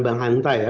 bang hanta ya